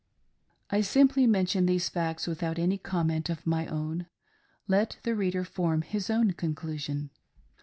I simply mention these facts without any comment of my own. Let the reader form his own conclusion.